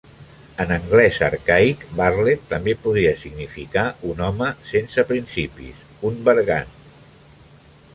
En anglès arcaic, "varlet" també podria significar un home sense principis; un bergant.